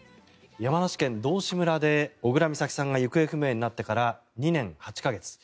山梨県道志村で小倉美咲さんが行方不明になってから２年８か月。